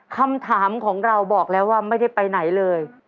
คำถามของเราบอกแล้วว่าไม่ได้ไปไหนเลย